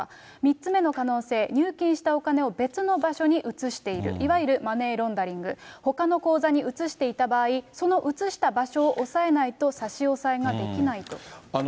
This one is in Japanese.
３つ目の可能性、入金したお金を別の場所に移している、いわゆるマネーロンダリング、ほかの口座に移していた場合、その移した場所を押さえないと差し押さえができないと。